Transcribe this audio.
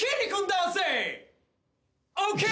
ＯＫ！